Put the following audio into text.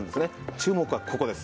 注目はここです！